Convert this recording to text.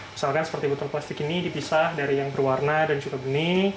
misalkan seperti botol plastik ini dipisah dari yang berwarna dan juga benih